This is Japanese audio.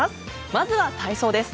まずは体操です。